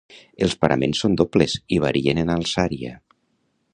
Els paraments són dobles i varien en alçària.